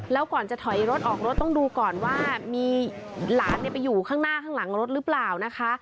แล้วก่อนจะถอยรถออกรถต้องดูก่อนว่ามีหลานไปอยู่ข้างหน้าข้างหลังรถหรือเปล่านะคะ